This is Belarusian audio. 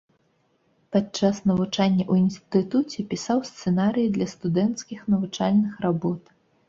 Падчас навучання ў інстытуце пісаў сцэнарыі для студэнцкіх навучальных работ.